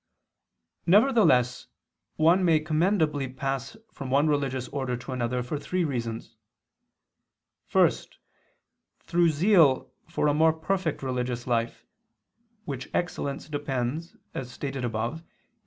Nevertheless one may commendably pass from one religious order to another for three reasons. First, through zeal for a more perfect religious life, which excellence depends, as stated above (Q.